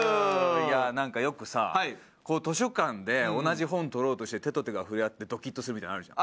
なんかよくさ図書館で同じ本取ろうとして手と手が触れ合ってドキッとするみたいなのあるじゃん。